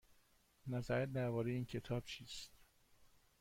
نظرت درباره این کتاب چیست؟